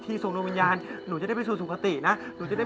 พี่ป๋องครับผมเคยไปที่บ้านผีคลั่งมาแล้ว